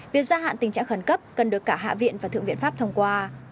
việc gia hạn tình trạng khẩn cấp cần được cả hạ viện và thượng viện pháp thông qua